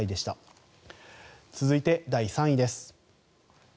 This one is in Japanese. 続いて、第３位です。